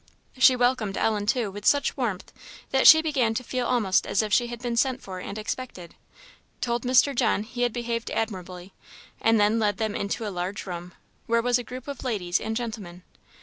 She welcomed Ellen, too, with such warmth, that she began to feel almost as if she had been sent for and expected told Mr. John he had behaved admirably and then led them into a large room, where was a group of ladies and gentlemen.